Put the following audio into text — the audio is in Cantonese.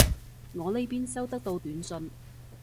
我呢邊收得到短信